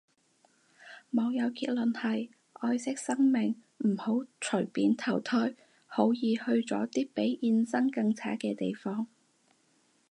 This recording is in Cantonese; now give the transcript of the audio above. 網友結論係，愛惜生命唔好隨便投胎，好易去咗啲比現生更差嘅地方